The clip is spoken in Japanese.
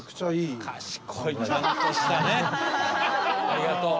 ありがとう。